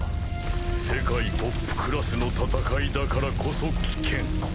世界トップクラスの戦いだからこそ危険。